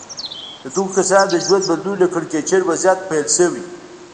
د دغو کسانو د ژوند بدلون له کړکېچن وضعيت پيل شوی.